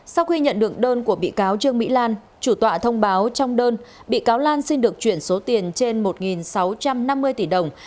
sau khi nhận được đơn của bị cáo trương mỹ lan chủ tọa thông báo trong đơn bị cáo lan xin được chuyển số tiền trên một sáu trăm năm mươi tỷ đồng